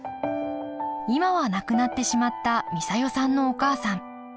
今は亡くなってしまった美佐代さんのお母さん。